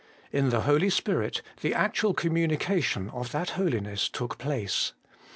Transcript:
In the Holy Spirit the actual communication of that holi ness took place.